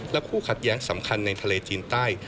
และคู่ขัดแย้งสำคัญในทะเลจีนใต้